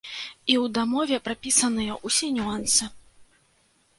І ў дамове прапісаныя ўсе нюансы.